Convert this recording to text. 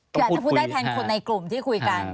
จะพูดได้แทนคนในกลุ่มที่คุยกัน